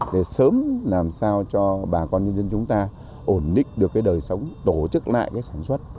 để sớm làm sao cho bà con nhân dân chúng ta ổn định được cái đời sống tổ chức lại cái sản xuất